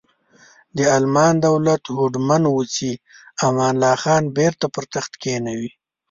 د المان دولت هوډمن و چې امان الله خان بیرته پر تخت کینوي.